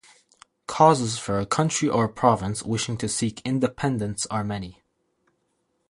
Causes for a country or province wishing to seek independence are many.